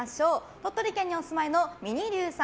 鳥取県にお住まいのミニリュウさん